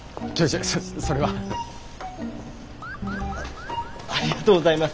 ありがとうございます。